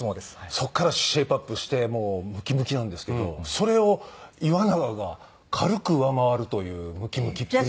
そこからシェイプアップしてもうムキムキなんですけどそれを岩永が軽く上回るというムキムキっぷり。